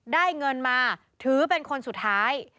ได้เงินมาถือเป็นคนสุดท้าย